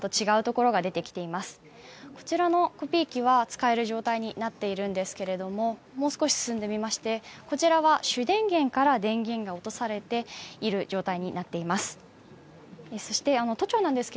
こちらのコピー機は使える状態になってるんですけれどももう少し進んでみまして、こちらは主電源から電源が落とされている状態になっています。